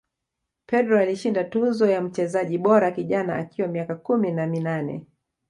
pedro alishinda tuzo ya mchezaji bora kijana akiwa miaka kumi na minane